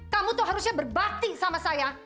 kamu tuh harusnya berbakti sama saya